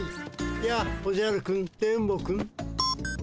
やあおじゃるくん電ボくん。